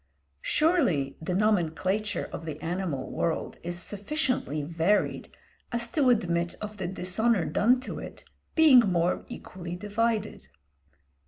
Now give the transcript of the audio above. Surely the nomenclature of the animal world is sufficiently varied as to admit of the dishonour done to it being more equally divided.